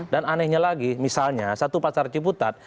dan anehnya lagi misalnya satu pasar ciputat